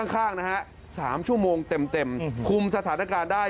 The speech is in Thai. ข้างนะฮะ๓ชั่วโมงเต็มคุมสถานการณ์ได้